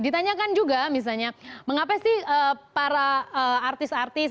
ditanyakan juga misalnya mengapa sih para artis artis